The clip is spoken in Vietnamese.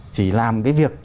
chỉ làm cái việc